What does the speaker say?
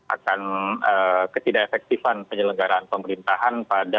akan ketidak efektifan penyelenggaraan pemerintahan pada